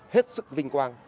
hết sức vinh quang